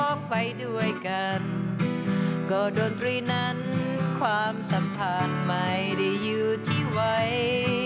มันไม่ได้อยู่ที่ไหว